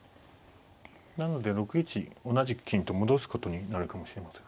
なので６一同じく金と戻すことになるかもしれません。